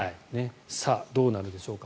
さあ、どうなるでしょうか。